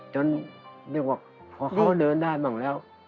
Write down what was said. จนเรียกว่าเพราะเขาเดินได้บางแล้ว